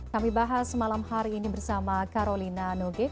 kami bahas malam hari ini bersama carolina nogueko